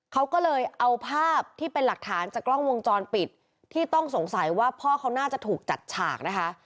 เขาก็เลยเอาภาพที่เป็นหลักฐานจากกล้องวงจรปิดที่ต้องสงสัยว่าพ่อเขาน่าจะถูกจัดฉากนะคะ